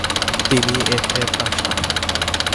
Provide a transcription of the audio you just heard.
তিনি F. A. পাশ করেন।